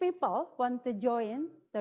jika orang ingin bergabung